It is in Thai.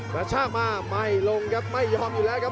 กระชากมาไม่ลงครับไม่ยอมอยู่แล้วครับ